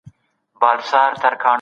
آيا دا د بل غوښتلې ځان وژنې بېلګه ده؟